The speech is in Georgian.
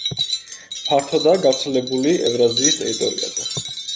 ფართოდაა გავრცელებული ევრაზიის ტერიტორიაზე.